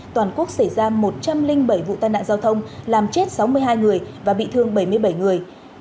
toàn quốc xảy ra một trăm linh bảy vụ tai nạn giao thông làm chết sáu mươi hai người và bị thương bảy mươi bảy người